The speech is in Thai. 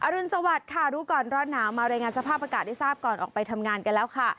รุนสวัสดิ์ค่ะรู้ก่อนร้อนหนาวมารายงานสภาพอากาศได้ทราบก่อนออกไปทำงานกันแล้วค่ะ